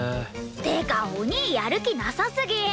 ってかお兄やる気なさすぎ！